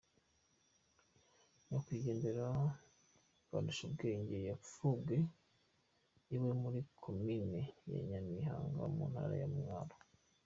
Nyakwigendera Bandushubwenge, yapfubwe iwe muri komine ya Nyabihanga mu ntara ya Mwaro.